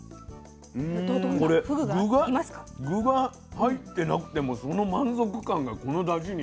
これ具が入ってなくてもその満足感がこのだしにある。